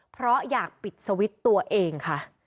เพราะอยากปิดสวิตช์ตัวเองค่ะ